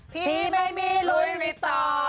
พี่ไม่มีลุยในตา